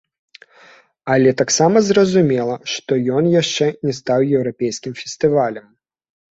Але таксама зразумела, што ён яшчэ не стаў еўрапейскім фестывалем.